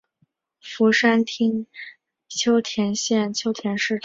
福山町秋田县秋田市出生。